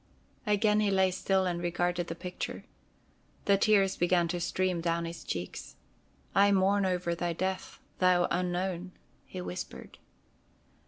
Again he lay still and regarded the picture. The tears began to stream down his cheeks. "I mourn over thy death, thou Unknown!" he whispered.